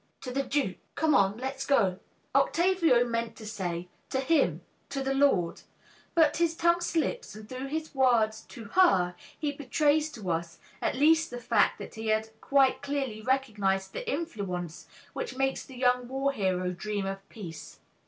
_) To the duke. Come, let us go . Octavio meant to say, "To him, to the lord," but his tongue slips and through his words "to her" he betrays to us, at least, the fact that he had quite clearly recognized the influence which makes the young war hero dream of peace.